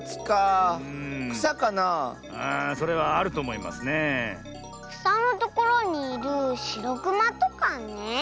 くさのところにいるしろくまとかね。